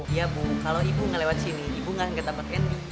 iya bu kalau ibu gak lewat sini ibu gak akan ketempat ini